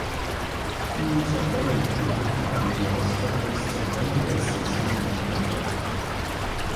Diese Tabellenführung gaben die Rostocker bis zum Ende der Saison nicht mehr her.